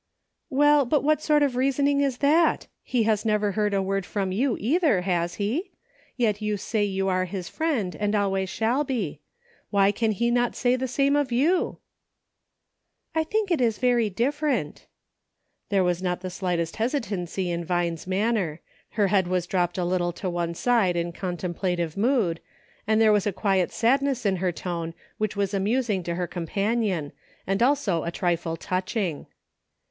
" Well — but what sort of reasoning is that .'' He has never heard a word from you, either, has he ,'' Yet you say you are his friend, and always shall be. Why can he not say the same of you ?" "I think it is very different." There was nor the slightest hesitancy in Vine's manner ; her head was dropped a little to one side in contem plative mood, and there was a quiet sadness in her tone which was amusing to her companion, and also a trifle touching.